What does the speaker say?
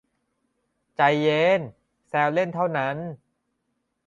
ใจเย็น แซวเล่นเท่านั้น